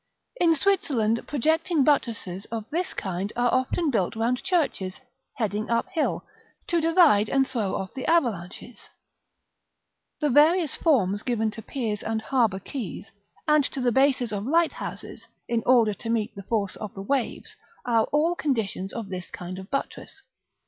In Switzerland, projecting buttresses of this kind are often built round churches, heading up hill, to divide and throw off the avalanches. The various forms given to piers and harbor quays, and to the bases of light houses, in order to meet the force of the waves, are all conditions of this kind of buttress.